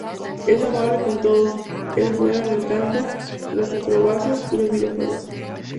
Es amable con todos, es buena en el canto, las acrobacias y los videojuegos.